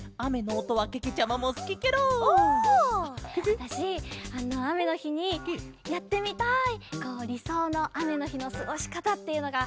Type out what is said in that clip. わたしあめのひにやってみたいりそうのあめのひのすごしかたっていうのがふたつあって。